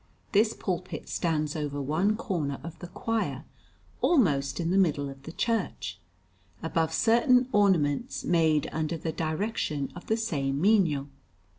This pulpit stands over one corner of the choir, almost in the middle of the church, above certain ornaments made under the direction of the same Mino.